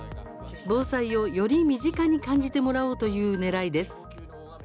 防災をより身近に感じてもらおうというねらいです。